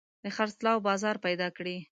د خرڅلاو بازار پيدا کړي.